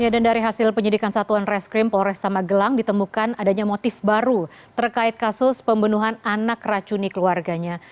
dan dari hasil penyidikan satuan reskrim polres tamagelang ditemukan adanya motif baru terkait kasus pembunuhan anak racuni keluarganya